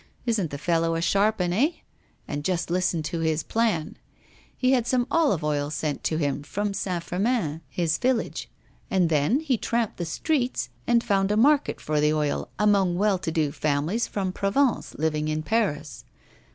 Isn't the fellow a sharp 'un, eh? And just listen to his plan. He had some olive oil sent to him from Saint Firmin, his village, and then he tramped the streets and found a market for the oil among well to do families from Provence living in Paris.